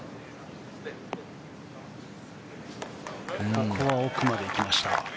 ここは奥まで行きました。